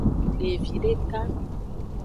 Devi deka.